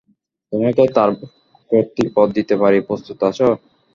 তোমাকে তার কর্ত্রীপদ দিতে পারি, প্রস্তুত আছ?